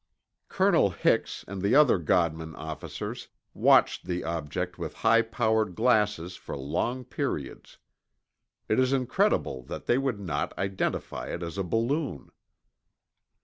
Colonel Hix and the other Godman officers watched the object with high powered glasses for long periods. It is incredible that they would not identify it as a balloon.